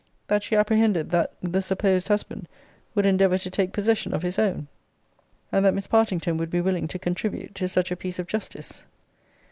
that she apprehended, that the supposed husband would endeavour to take possession of his own? and that Miss Partington would be willing to contribute to such a piece of justice?